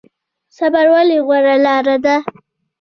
صبر ولې غوره لاره ده؟